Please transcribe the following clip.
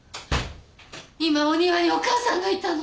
今お庭にお義母さんがいたの。